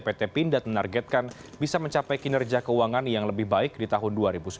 pt pindad menargetkan bisa mencapai kinerja keuangan yang lebih baik di tahun dua ribu sembilan belas